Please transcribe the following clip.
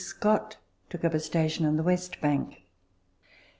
Scott took up a station on the west bank.